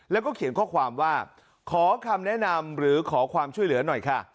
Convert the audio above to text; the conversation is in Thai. แล้วก็เขียนข้อความว่าขอคำแนะนำหรือขอความช่วยเหลือหน่อยค่ะ